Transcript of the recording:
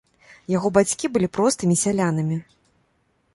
Яго бацькі былі простымі сялянамі.